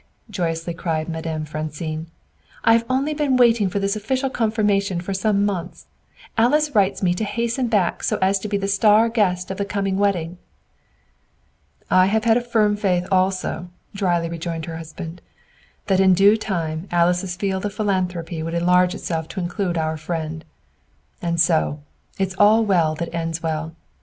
joyously cried Madame Francine, "I have only been waiting for this official confirmation for some months. Alice writes me to hasten back so as to be the star guest of the coming wedding." "I have had a firm faith also," drily rejoined her husband, "that in due time Alice's field of philanthropy would enlarge itself to include our friend. And so, it's all well that ends well!